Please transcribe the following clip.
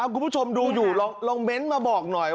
คุณผู้ชมดูอยู่ลองเม้นต์มาบอกหน่อย